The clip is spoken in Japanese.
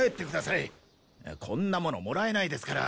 こんなものもらえないですから。